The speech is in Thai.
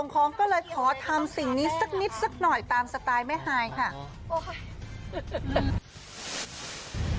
ของก็เลยขอทำสิ่งนี้สักนิดสักหน่อยตามสไตล์แม่ฮายค่ะ